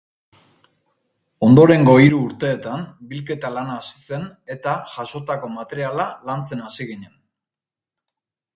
Ondorengo hiru urteetan bilketa lana hasi zen eta jasotako materiala lantzen hasi ginen.